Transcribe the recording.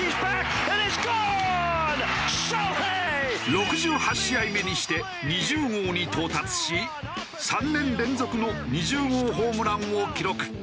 ６８試合目にして２０号に到達し３年連続の２０号ホームランを記録。